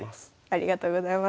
ありがとうございます。